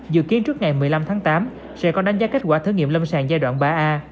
dự kiến trước ngày một mươi năm tháng tám sẽ có đánh giá kết quả thử nghiệm lâm sàng giai đoạn ba a